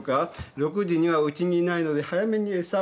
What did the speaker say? ６時にはウチにいないので早めにエサを。